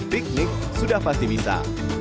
piknik sudah pasti bisa